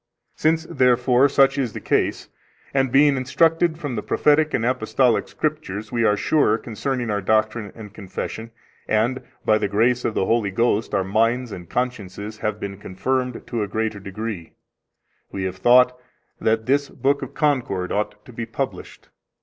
Since, therefore, such is the case, and being instructed from the Prophetic and Apostolic Scriptures, we are sure concerning our doctrine and confession, and by the grace of the Holy Ghost our minds and consciences have been confirmed to a greater degree, we have thought that this Book of Concord ought to be published.